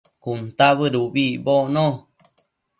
cuntabëd ubi icbocno